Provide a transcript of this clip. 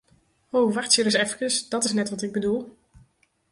Ho, wachtsje ris efkes, dat is net wat ik bedoel!